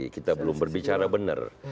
kita belum berbicara benar